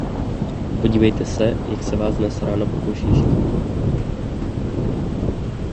Podívejte se, jak se vás dnes ráno pokoušejí šikanovat.